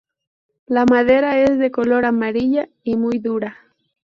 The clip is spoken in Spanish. La madera es de color amarilla y muy dura.